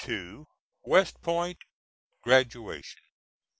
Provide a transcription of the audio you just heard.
WEST POINT GRADUATION.